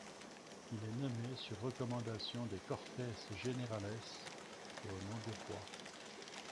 Il est nommé sur recommandation des Cortes Generales et au nom du roi.